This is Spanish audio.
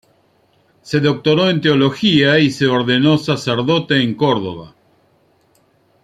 Se doctoró en teología y se ordenó sacerdote en Córdoba.